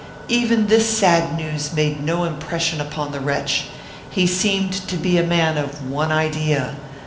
Even this sad news made no impression upon the wretch. He seemed to be a man of one idea.